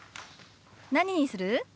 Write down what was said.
何にする？